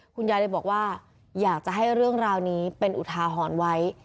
คุณยายเลยบอกว่าอยากจะให้เรื่องราวนี้เป็นอุทาหรณ์ไว้